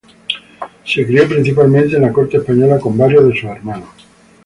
Se crió principalmente en la corte española con varios de sus hermanos.